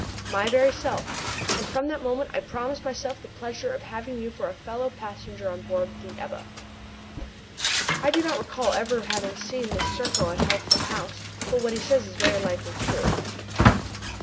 "My very self, and from that moment I promised myself the pleasure of having you for a fellow passenger on board the Ebba." I do not recall ever having seen this Serko at Healthful House, but what he says is very likely true.